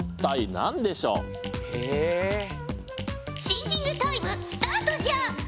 シンキングタイムスタートじゃ。